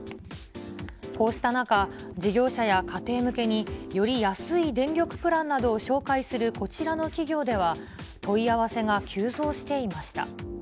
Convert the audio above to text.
こうした中、事業者や家庭向けに、より安い電力プランなどを紹介するこちらの企業では、問い合わせが急増していました。